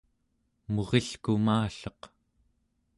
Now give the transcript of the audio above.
murilkumalleq